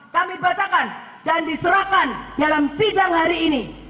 kami bacakan dan diserahkan dalam sidang hari ini